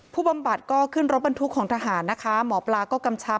บำบัดก็ขึ้นรถบรรทุกของทหารนะคะหมอปลาก็กำชับ